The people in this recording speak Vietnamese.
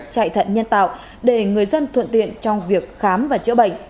chạy thận nhân tạo để người dân thuận tiện trong việc khám và chữa bệnh